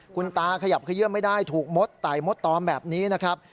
คุณตาขยับขยื่นไม่ได้ถูกมดไต่มดตอมแบบนี้นะครับ